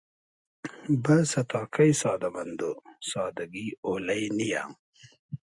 بئسۂ تا کݷ سادۂ مئندۉ ، سادگی اۉلݷ نییۂ